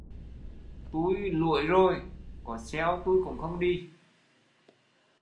Tui luổi rồi, có xeo tui cũng không đi